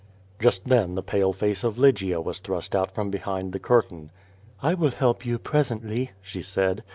Just then the pale face of Lygia was thrust out from behind the curtain. "I will help you presently/' she said.